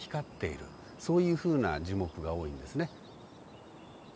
そういうふうな樹木が多いんですね。